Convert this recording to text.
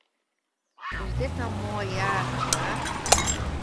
Is dit no moai jagerswaar?